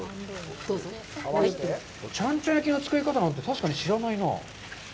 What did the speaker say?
ちゃんちゃん焼きの作り方なんて、確かに知らないなぁ。